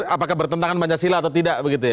apakah bertentangan pancasila atau tidak begitu ya